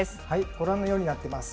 ご覧のようになっています。